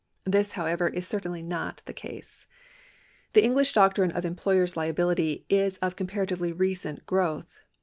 This, however, is certainly not the case. The English doctrine of employer's liability is of comparatively recent growth.